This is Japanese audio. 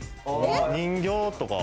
人形とか。